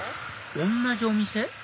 同じお店？